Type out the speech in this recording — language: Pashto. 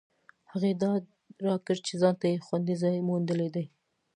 هغې ډاډ راکړ چې ځانته یې خوندي ځای موندلی دی